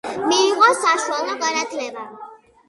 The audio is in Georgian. მიიღო საშუალო განათლება.